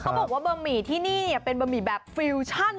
บอกว่าบะหมี่ที่นี่เป็นบะหมี่แบบฟิวชั่น